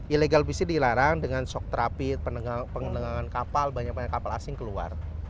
illegal fishing dilarang dengan shock traffic pengendengar kapal banyak banyak kapal asing keluar